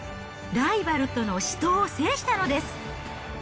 ライバルとの死闘を制したのです。